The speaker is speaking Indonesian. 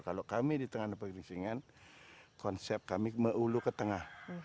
kalau kami di tenganan pergengsingan konsep kami meulu ke tengah